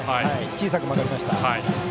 小さく曲がりました。